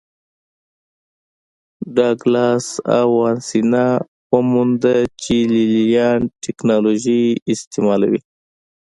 ډاګلاس او وانسینا ومونده چې لې لیان ټکنالوژي استعملوي